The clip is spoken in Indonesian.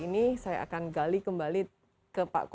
ini sudah mulai pak